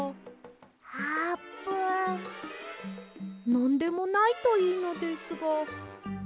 なんでもないといいのですが。